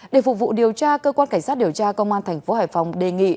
để phụ vụ điều tra cơ quan cảnh sát điều tra công an tp hcm đề nghị